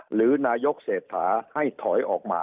หรือนายกเศรษฐาให้ถอยออกมา